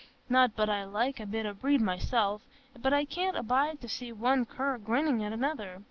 Not but I like a bit o' breed myself, but I can't abide to see one cur grinnin' at another.